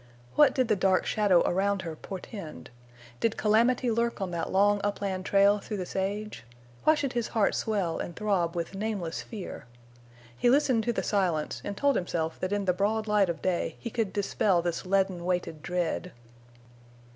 What did the dark shadow around her portend? Did calamity lurk on that long upland trail through the sage? Why should his heart swell and throb with nameless fear? He listened to the silence and told himself that in the broad light of day he could dispel this leaden weighted dread.